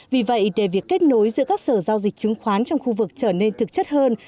vì vậy để việc kết nối giữa các sở giao dịch chứng khoán trong khu vực trở nên thực chất hơn